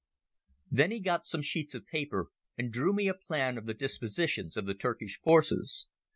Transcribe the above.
Then he got some sheets of paper and drew me a plan of the dispositions of the Turkish forces.